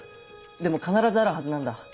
でも必ずあるはずなんだ。